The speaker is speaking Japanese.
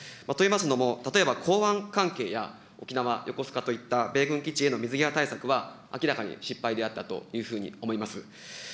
といいますのも、例えば港湾関係や、沖縄、横須賀といった米軍基地への水際対策は、明らかに失敗であったというふうに思います。